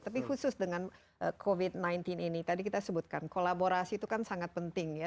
tapi khusus dengan covid sembilan belas ini tadi kita sebutkan kolaborasi itu kan sangat penting ya